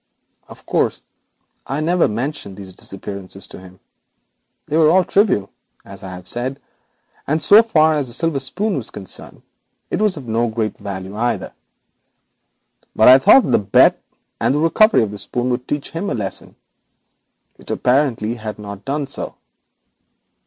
Of course, I never mentioned these abstractions to him. They were all trivial, as I have said, and so far as the silver spoon was concerned, it was of no great value either. But I thought the bet and the recovery of the spoon would teach him a lesson; it apparently has not done so.